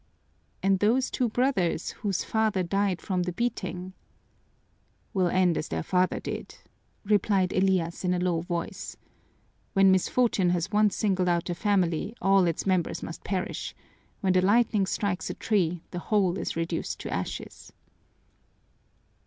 "And those two brothers whose father died from the beating " "Will end as their father did," replied Elias in a low voice. "When misfortune has once singled out a family all its members must perish, when the lightning strikes a tree the whole is reduced to ashes."